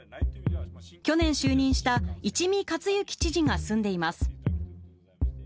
去年就任した一見勝之知事が住んでいます。